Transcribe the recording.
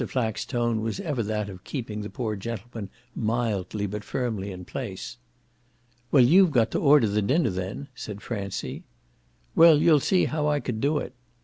Flack's tone was ever that of keeping the poor gentleman mildly but firmly in his place. "Well, you've got to order the dinner then," said Francie. "Well, you'll see how I could do it!"